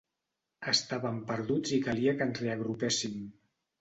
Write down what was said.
Estàvem perduts i calia que ens reagrupéssim.